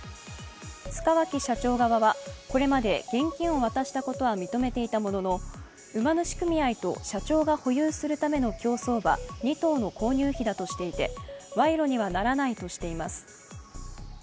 塚脇社長側はこれまで現金を渡したことは認めていたものの、馬主組合と社長が保有するための競走馬２頭の購入費だとしていて賄賂にはならないとしています。